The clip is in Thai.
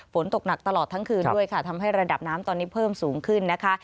ฝนตกหนักตลอดทั้งคืนด้วยค่ะทำให้ระดับน้ำตอนนี้เพิ่มสูงขึ้นนะคะ